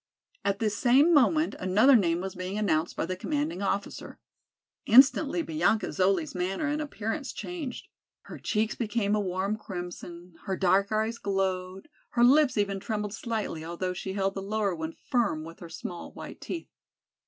At this same moment, another name was being announced by the Commanding Officer. Instantly Bianca Zoli's manner and appearance changed. Her cheeks became a warm crimson, her dark eyes glowed, her lips even trembled slightly although she held the lower one firm with her small white teeth.